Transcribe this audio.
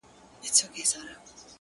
په یو نظر کي مي د سترگو په لړم نیسې ـ